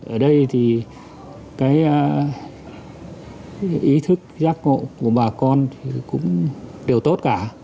ở đây thì cái ý thức giác ngộ của bà con thì cũng đều tốt cả